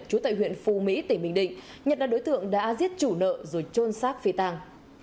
chú tại huyện phù mỹ tỉnh bình định nhật là đối tượng đã giết chủ nợ rồi trôn sát phi tàng